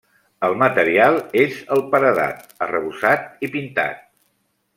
El material és el paredat, arrebossat i pintat.